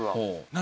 何？